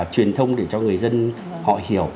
truyền thông để cho người dân họ hiểu